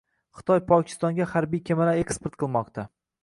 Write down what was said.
Xitoy Pokistonga harbiy kemalar eksport qilmoqdang